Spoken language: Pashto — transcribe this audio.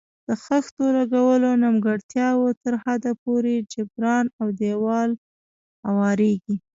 د خښتو لګولو نیمګړتیاوې تر حده پورې جبران او دېوال اواریږي.